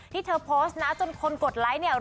ที่เธอโพสต์จนคนกดไลค์